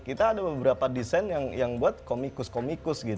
kita ada beberapa desain yang buat komikus komikus gitu